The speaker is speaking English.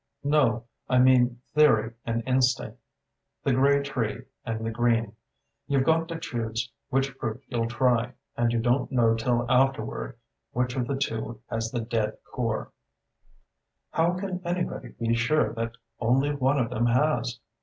"No; I mean theory and instinct. The gray tree and the green. You've got to choose which fruit you'll try; and you don't know till afterward which of the two has the dead core." "How can anybody be sure that only one of them has?"